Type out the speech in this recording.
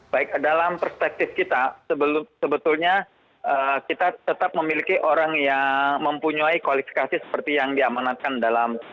baik dalam perspektif kita sebetulnya kita tetap memiliki orang yang mempunyai kualifikasi seperti yang diamanatkan dalam